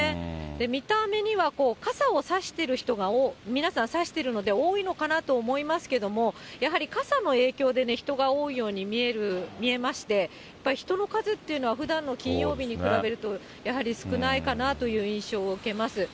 見た目には傘を差してる人が、皆さん差してるので、多いのかなと思いますけども、やはり傘の影響で人が多いように見えまして、やっぱり人の数っていうのは、ふだんの金曜日に比べると、やはり少ないかなという印象を受けます。